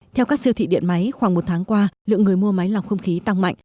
theo các siêu thị điện máy khoảng một tháng qua lượng người mua máy lọc không khí tăng mạnh